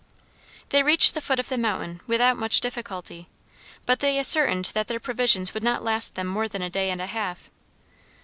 They reached the foot of the mountain without much difficulty; but they ascertained that their provisions would not last them more than a day and a half.